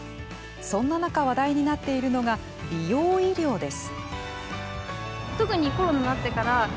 そんな中、話題になっているのが美容医療です。